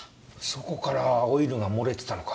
そこからオイルが漏れてたのか。